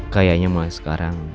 kayaknya mulai sekarang